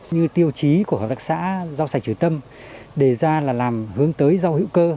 như tiêu chí của hợp tác xã rau sạch triều tâm đề ra là làm hướng tới rau hữu cơ